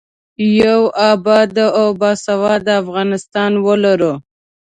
یو اباد او باسواده افغانستان ولرو.